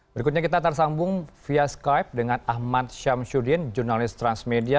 berikutnya kita tersambung via skype dengan ahmad syamsuddin jurnalis transmedia